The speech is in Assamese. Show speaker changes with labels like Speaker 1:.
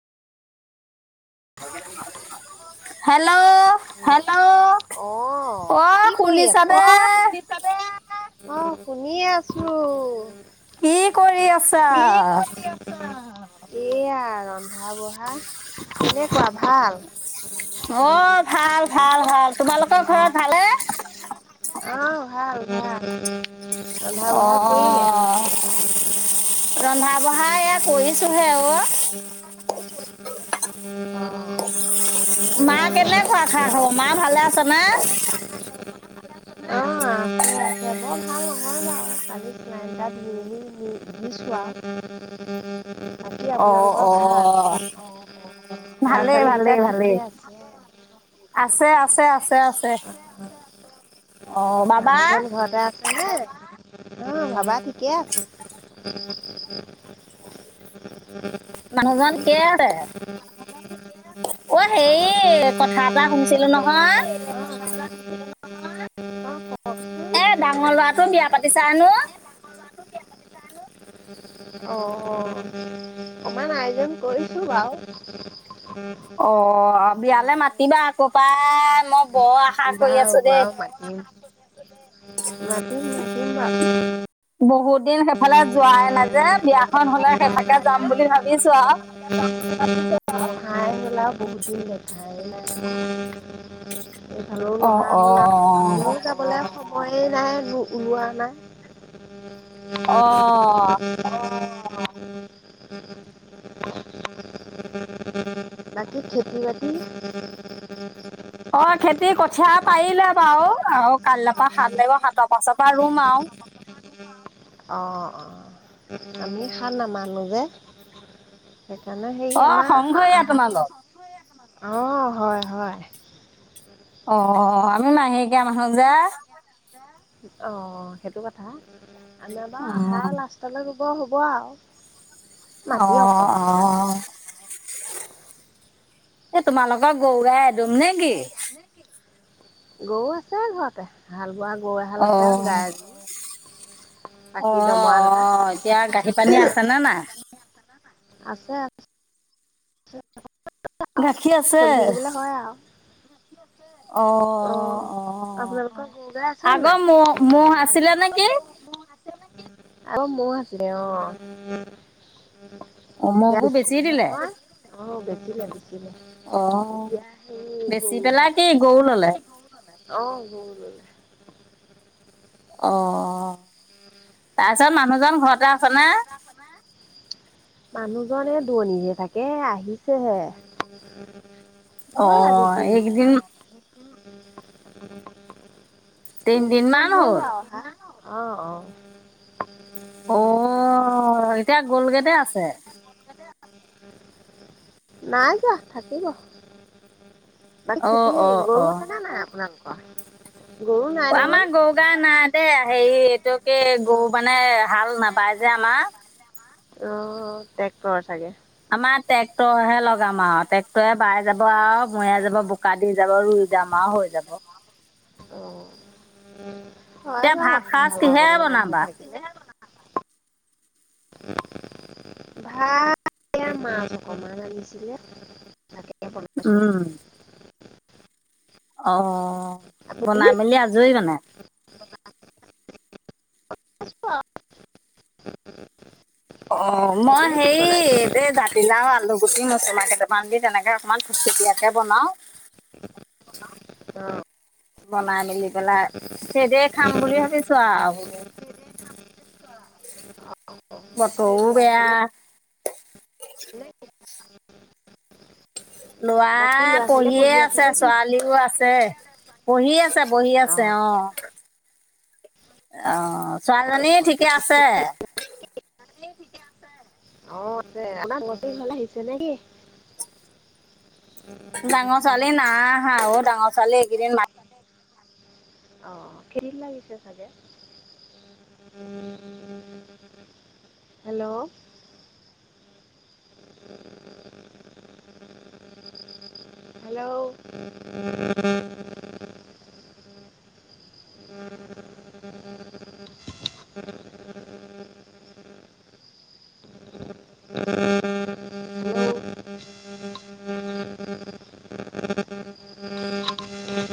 Speaker 1: [unintelligible] হেল্ল' অ শুনিছা নে
Speaker 2: শুনিছানে অ শুনিয়ে আছো
Speaker 1: কি কৰি আছা
Speaker 2: এয়া ৰন্ধা বঢ়া কেনেকুৱা ভাল অ ভাল ভাল ভাল তোমালোকৰ ঘৰত ভাল অহ ভাল ভাল
Speaker 1: অ
Speaker 2: ৰন্ধা বঢ়া কৰিলে
Speaker 1: ৰন্ধা বঢ়া এয়া কৰিছোঁহে অ',
Speaker 2: [unintelligible]
Speaker 1: মা
Speaker 2: এয়া বনাই
Speaker 1: কেনেকুৱা খা -খবৰ মা ভালে আছে নে?
Speaker 2: [unintelligible] [unintelligible] [unintelligible] ভাবিছোৱা বাকী আপোনালোকৰ
Speaker 1: অ অ
Speaker 2: ভাল? ল'ৰা
Speaker 1: ভালেই-
Speaker 2: ছোৱালীকেইটা
Speaker 1: ভালেই-
Speaker 2: ঠিকে
Speaker 1: ভালেই
Speaker 2: আছে?
Speaker 1: আছে- আছে, আছে আছে। অ বাবা
Speaker 2: মানুহজন ঘৰতে আ অ', বাবা ঠিকে আছে। [unintelligible]
Speaker 1: মানুহজন [unintelligible] অ',
Speaker 2: অঁ
Speaker 1: হেৰী কথা কথা এটা শুনিছিলো নহয়।
Speaker 2: কওকচোন
Speaker 1: এই ডাঙৰ লৰাটো বিয়া পাতিছা হেনো?
Speaker 2: অ', অকমান আয়োজন কৰি [unintelligible] কি বাৰু?
Speaker 1: অ', বিয়ালে মাতিবা আকৌ পাই মই বৰ আশা কৰি
Speaker 2: বাৰু
Speaker 1: আছো দেই।
Speaker 2: বাৰু মাতিম- মাতিম বাও।
Speaker 1: বহুত দিন সেইফালে যোৱাই নাই যে- বিয়াখন হলে সেইফাকে যাম বুলি ভাবিছো আৰু।
Speaker 2: [unintelligible] এই ফালেও। [unintelligible] নহা হলা আৰু
Speaker 1: অ
Speaker 2: মোৰো
Speaker 1: অ
Speaker 2: যাবলৈ সময়ে নাই, ওলোৱা নাই।
Speaker 1: অ',।
Speaker 2: বাকী খেতি- বাতি।
Speaker 1: অ', খেতি কঠীয়া পাৰিলে বাৰু আৰু কাইলৰ পৰা সাত লাগিব সাতৰ পাছৰ পৰা ৰুম আৰু।
Speaker 2: অ', আমি সাত নামানো মানুহ যে- সেইকাৰণে হেৰি
Speaker 1: অ
Speaker 2: আমাৰ
Speaker 1: সংঘৰীয়া
Speaker 2: আহাৰ
Speaker 1: তোমালোক
Speaker 2: অ', হয় -হয়।
Speaker 1: অ', আমি মাহেকীয়া মানুহ যে
Speaker 2: অ', সেইটো কথা, আমাৰ
Speaker 1: অ
Speaker 2: বাৰু আহাৰৰ লাষ্টলে ৰুব হ'ব আৰু। মাটি
Speaker 1: অঁ', অ'
Speaker 2: অকণমানহে
Speaker 1: -অ। এ- তোমালোকৰ গৰু -গাই এদুপ নেকি?
Speaker 2: গৰু আছে ঘৰতে। হাল -বোৱা গৰু এহাল
Speaker 1: অ
Speaker 2: আছে আৰু গাই এযোৰ আছে বাকী দমৰা দুটা আছে।
Speaker 1: পুখুৰী পানী আছেনে নাই?
Speaker 2: আছে। আৰু
Speaker 1: গাখীৰ আছে
Speaker 2: চলি থাকিবলৈ হয় আৰু
Speaker 1: অ', -
Speaker 2: অঁ
Speaker 1: অ',। অ',
Speaker 2: আপোনালোকৰ গৰু গাই আছে নাই
Speaker 1: আগৰ ম'হ আছিল নেকি?
Speaker 2: আগৰ ম'হ আছিলে অ',
Speaker 1: অ',
Speaker 2: এতিয়া
Speaker 1: ম'হবোৰ বেচি
Speaker 2: দেখিলে
Speaker 1: দিলে।
Speaker 2: নহয় অ', দেখিলোঁ। লাগিছিলে,
Speaker 1: অ'।
Speaker 2: এতিয়া সেই
Speaker 1: বেচি পেলাই
Speaker 2: গৰুহে
Speaker 1: কি গৰু ল'লে।
Speaker 2: অ', গৰু লৈ।
Speaker 1: অঁ', অঁ',।
Speaker 2: উম', মানুহ জন
Speaker 1: আছেনে?
Speaker 2: ঘৰতে আছে।
Speaker 1: [inaudible]
Speaker 2: মানুহজন এ দূৰনিত হে, থাকে আহিছেহে।
Speaker 1: অ', এইকেইদিন
Speaker 2: তিনদিন মান হ'ল অহা। অঁ।
Speaker 1: অঁ, এতিয়া গ'লগে নে আছে!
Speaker 2: নাই যোৱা, থাকিব। বাকী,
Speaker 1: অ',
Speaker 2: খেতি
Speaker 1: অ', অ'।
Speaker 2: গৰু
Speaker 1: অ',
Speaker 2: আছেনে নাই আপোনালোকৰ? গৰু নাই। নহয়
Speaker 1: আমাৰ গৰু-গা নাই দেই, হেৰি এইটো কি গৰু মানে হাল নাবায় যে আমাৰ।
Speaker 2: অঁ, টেক্টৰ চাগে।
Speaker 1: আমাৰ ট্ৰেক্টৰ হে লগাম আৰু, ট্ৰেক্টৰে বাই যাব আৰু, মৰিযায় যাব, বোকা দি যাব। ৰুই যাম আৰু হৈ যাব।
Speaker 2: উম, হয়
Speaker 1: এতিয়া ভাত
Speaker 2: বাৰু,
Speaker 1: সাজ কিহেৰে
Speaker 2: হাল
Speaker 1: বনাবা
Speaker 2: বাবলৈ ভাত এ, মাছ অকমান আনিছিলে। তাকে, বনাই আছো।
Speaker 1: উম অঁ,
Speaker 2: আপুনি
Speaker 1: বনাই-মেলি আজৰি মানে।
Speaker 2: [unintelligible]
Speaker 1: অঁ, মই
Speaker 2: আপুনি কি
Speaker 1: হেৰি
Speaker 2: বনাইছে
Speaker 1: এই জাতিলাও আলু [unintelligible] কেইটামান দি তেনেকে অকমান থূপ-থূপিয়াকে বনাও।
Speaker 2: অঁ।
Speaker 1: বনাই-মেলি সেই দিয়ে খাম বুলি ভাবিছো আৰু।
Speaker 2: বাকী
Speaker 1: বতৰো
Speaker 2: ল'ৰা
Speaker 1: বেয়া।
Speaker 2: ছোৱালীয়ে
Speaker 1: ল'ৰা
Speaker 2: বাকী ল'ৰা ছোৱালীয়ে
Speaker 1: পঢ়িয়ে
Speaker 2: পঢ়ি
Speaker 1: আছে,
Speaker 2: নে কি
Speaker 1: ছোৱালীও আছে। পঢ়ি আছে, বহি আছে, অ'। অ', ছোৱালীজনী ঠিকে আছে?
Speaker 2: [unintelligible]
Speaker 1: ডাঙৰ ছোৱালী নাই আহা অ। ডাঙৰ ছোৱালী এইকেইদিন মা
Speaker 2: অ', খেতিত লাগিছে চাগে। হেল্ল'!
Speaker 1: [inaudible]
Speaker 2: হেল্ল'! [inaudible] উম